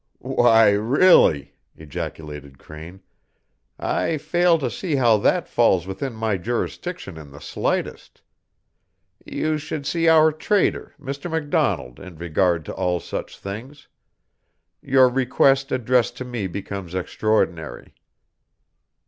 "Why, really," ejaculated Crane, "I fail to see how that falls within my jurisdiction in the slightest. You should see our Trader, Mr. McDonald, in regard to all such things. Your request addressed to me becomes extraordinary."